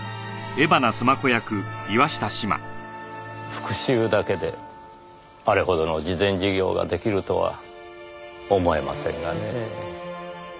復讐だけであれほどの慈善事業が出来るとは思えませんがねぇ。